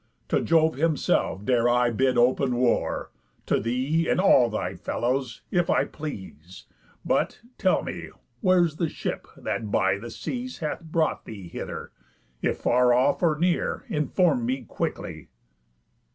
To Jove himself dare I bid open war, To thee, and all thy fellows, if I please. But tell me, where's the ship, that by the seas Hath brought thee hither? If far off, or near, Inform me quickly.